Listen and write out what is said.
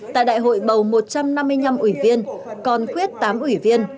tại đại hội bầu một trăm năm mươi năm ủy viên còn quyết tám ủy viên